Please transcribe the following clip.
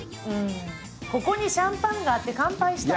ここにシャンパンがあって乾杯したい。